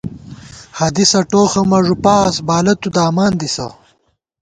حدیثہ ٹوخہ مہ ݫُپاس بالہ تُو دامان دِسہ